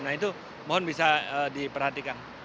nah itu mohon bisa diperhatikan